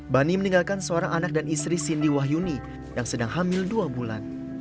bani meninggalkan seorang anak dan istri cindy wahyuni yang sedang hamil dua bulan